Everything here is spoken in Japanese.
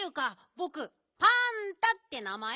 ぼくパンタって名まえ。